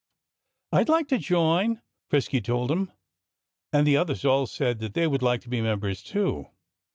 "I'd like to join," Frisky told him. And the others all said that they would like to be members, too.